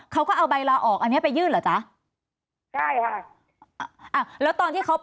เขาก็เอาใบลาออกอันเนี้ยไปยื่นเหรอจ๊ะใช่ค่ะอ่าแล้วตอนที่เขาไป